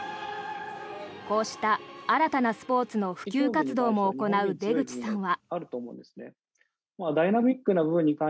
こうした新たなスポーツの普及活動も行う出口さんは。